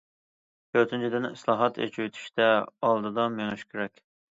تۆتىنچىدىن، ئىسلاھات، ئېچىۋېتىشتە ئالدىدا مېڭىش كېرەك.